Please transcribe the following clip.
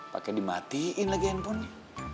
pakai dimatiin lagi handphonenya